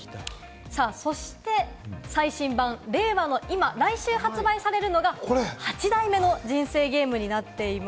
そして最新版令和の今、来週発売されるのが８代目の人生ゲームになっています。